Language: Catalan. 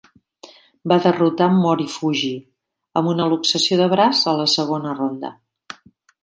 Va derrotar Morifuji amb una luxació de braç a la segona ronda.